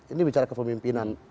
ini bicara kepemimpinan